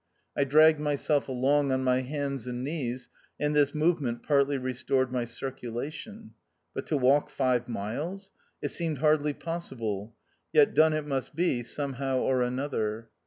I dragged myself along on my hands and knees, and this movement partly restored my circulation. But to walk five miles ! It seemed hardly possible. Yet, done it must be, somehow or another.